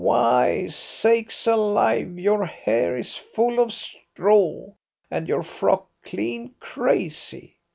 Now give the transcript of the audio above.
Why, sakes alive, your hair is full of straw and your frock clean crazy!"